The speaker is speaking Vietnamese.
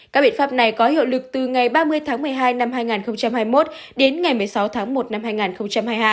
các biện pháp này có hiệu lực từ ngày ba mươi tháng một mươi hai năm hai nghìn hai mươi một đến ngày một mươi sáu tháng một năm hai nghìn hai mươi hai